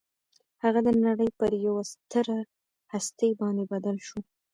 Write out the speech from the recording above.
هغه د نړۍ پر یوه ستره هستي باندې بدل شو